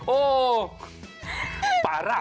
โอ๊ยปาระ